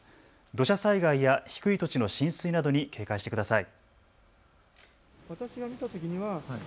土砂災害や低い土地の浸水などに警戒してください。